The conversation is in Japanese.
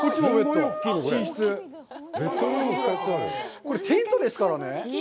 これ、テントですからね。